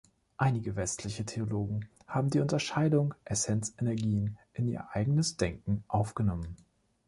Einige westliche Theologen haben die Unterscheidung Essenz-Energien in ihr eigenes Denken aufgenommen.